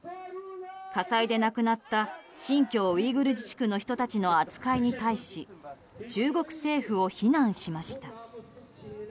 火災で亡くなった新疆ウイグル自治区の人たちの扱いに対し中国政府を非難しました。